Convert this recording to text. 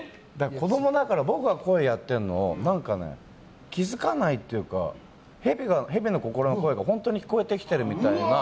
子供だから僕が声をやっているのを何かね、気づかないというかヘビの心の声が本当に聞こえてきてるみたいな。